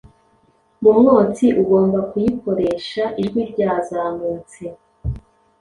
Mu mwotsi ugomba kuyikoresha Ijwi ryazamutse